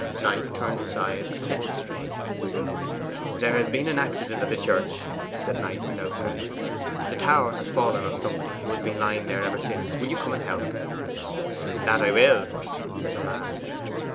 Knight turned aside and met the stranger. 'There has been an accident at the church,' said Knight, without preface. 'The tower has fallen on somebody, who has been lying there ever since. Will you come and help?' 'That I will,' said the man.